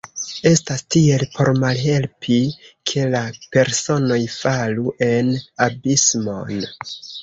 Estas tiel, por malhelpi, ke la personoj falu en abismon.